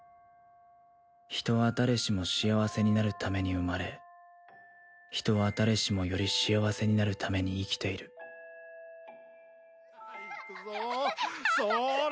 人は誰しも幸せになるために生まれ人は誰しもより幸せになるために生きているいくぞそーら！